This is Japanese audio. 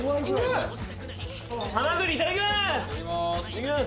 ハマグリいただきます！